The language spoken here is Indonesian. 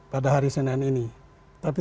pada hari senin ini